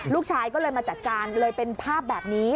ลูกชายก็เลยมาจัดการเลยเป็นภาพแบบนี้